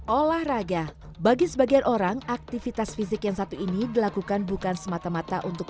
olahraga bagi sebagian orang aktivitas fisik yang satu ini dilakukan bukan semata mata untuk